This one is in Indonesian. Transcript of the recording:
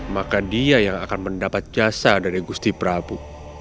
maka dia yang akan mendapat jasa dari gusti prabu